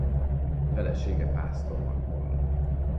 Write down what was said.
Felesége Pásztor Magdolna.